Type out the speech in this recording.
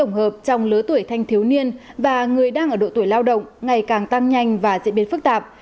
trong hợp trong lứa tuổi thanh thiếu niên và người đang ở độ tuổi lao động ngày càng tăng nhanh và diễn biến phức tạp